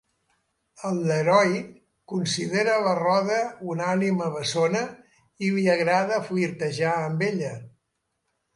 El Leroy considera la Rhoda una ànima bessona i li agrada flirtejar amb ella.